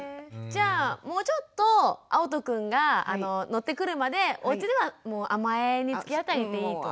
じゃあもうちょっとあおとくんが乗ってくるまでおうちでは甘えにつきあってていいと。